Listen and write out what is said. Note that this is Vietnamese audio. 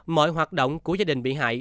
mọi hoạt động của gia đình bị hại